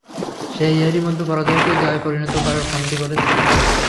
সে এরই মধ্যে পরাজয়কে জয়ে পরিণত করার ফন্দী করে।